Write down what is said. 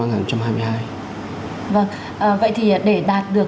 vâng vậy thì để đạt được